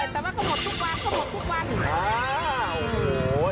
แต่ว่าก็หมดทุกวันเลย